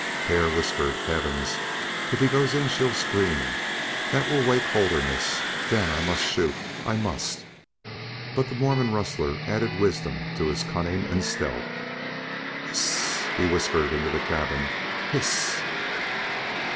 Hare whispered: "Heavens! if he goes in she'll scream! that will wake Holderness then I must shoot I must!" But the Mormon rustler added wisdom to his cunning and stealth. "Hist!" he whispered into the cabin. "Hist!"